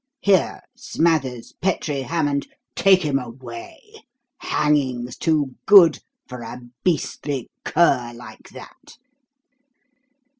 Here, Smathers, Petrie, Hammond, take him away. Hanging's too good for a beastly cur like that!"